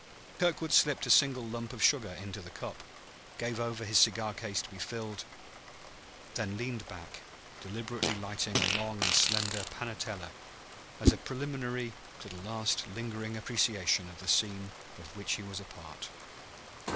Kirkwood slipped a single lump of sugar into the cup, gave over his cigar case to be filled, then leaned back, deliberately lighting a long and slender panetela as a preliminary to a last lingering appreciation of the scene of which he was a part.